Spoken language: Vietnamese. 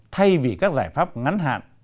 thay vì các giải pháp ngắn hạn